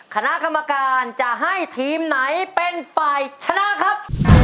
คณะกรรมการจะให้ทีมไหนเป็นฝ่ายชนะครับ